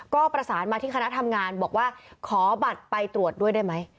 ก็ประสานมาที่คณะทำงานบอกว่าขอบัตรไปตรวจด้วยได้ไหม